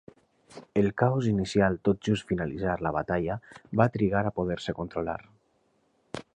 El caos inicial tot just finalitzar la batalla va trigar a poder-se controlar.